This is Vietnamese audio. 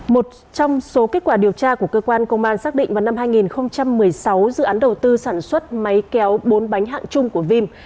một trong số kết quả điều tra của cơ quan công an xác định vào năm hai nghìn một mươi sáu dự án đầu tư sản xuất máy kéo bốn bánh hạng chung của vim